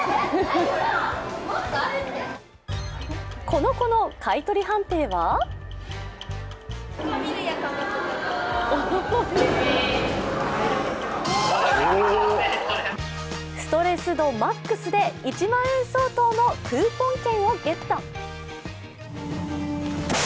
この子の買い取り判定はストレス度マックスで１万円相当のクーポン券をゲット。